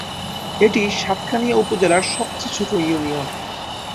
এটি সাতকানিয়া উপজেলার সবচেয়ে ছোট ইউনিয়ন।